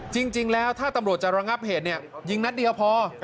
จริงแล้วถ้าตำรวจจะระงับเหตุยิงนัดเดียวพอ